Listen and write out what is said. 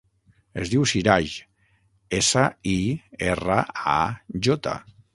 Es diu Siraj: essa, i, erra, a, jota.